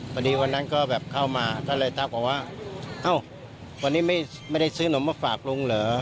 วันนั้นก็แบบเข้ามาก็เลยทักออกว่าเอ้าวันนี้ไม่ได้ซื้อนมมาฝากลุงเหรอ